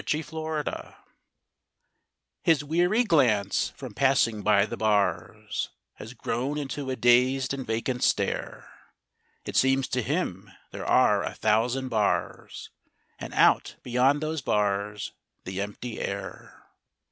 THE PANTHER His weary glance, from passing by the bars, Has grown into a dazed and vacant stare; It seems to him there are a thousand bars And out beyond those bars the empty air.